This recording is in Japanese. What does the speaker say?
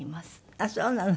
あっそうなの。